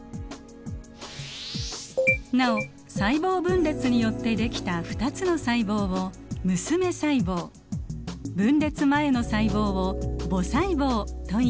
なお細胞分裂によってできた２つの細胞を娘細胞分裂前の細胞を母細胞といいます。